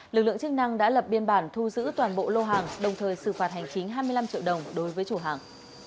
lực lượng chức năng đã lập biên bản thu giữ toàn bộ lô hàng đồng thời xử phạt hành chính hai mươi năm triệu đồng đối với chủ hàng